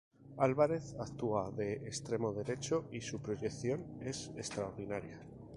Álvarez actúa de extremo derecho y su proyección es extraordinaria.